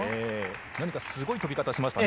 何かすごい飛び方をしましたね。